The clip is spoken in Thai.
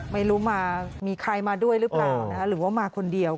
ไม่รู้มามีใครมาด้วยหรือเปล่าหรือว่ามาคนเดียว